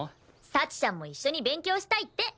幸ちゃんも一緒に勉強したいって。